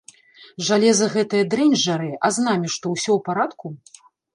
Жалеза гэтая дрэнь жарэ, а з намі што, усё ў парадку?